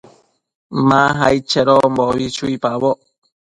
Ma aid chedonbo chuipaboc